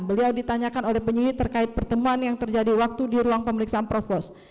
beliau ditanyakan oleh penyidik terkait pertemuan yang terjadi waktu di ruang pemeriksaan provos